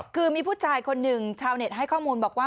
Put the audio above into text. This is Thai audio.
คือมีผู้ชายคนหนึ่งชาวเน็ตให้ข้อมูลบอกว่า